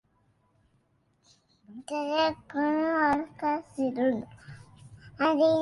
তাদের কোন অধিকার ছিলনা।